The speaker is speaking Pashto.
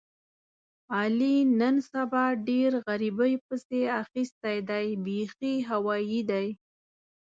علي نن سبا ډېر غریبۍ پسې اخیستی دی بیخي هوایي دی.